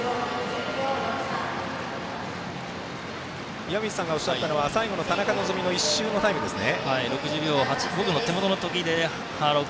岩水さんがおっしゃったのは最後の田中希実のラスト１周のタイムですね。